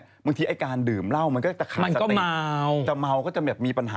บางทีไอ้การดื่มเหล้ามันก็จะขาดสติจะเมาก็จะแบบมีปัญหา